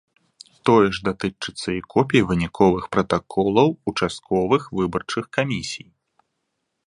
Тое ж датычыцца і копій выніковых пратаколаў участковых выбарчых камісій.